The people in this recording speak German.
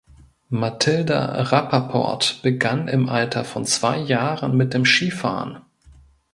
Matilda Rapaport begann im Alter von zwei Jahren mit dem Skifahren.